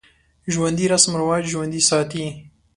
ژوندي رسم و رواج ژوندی ساتي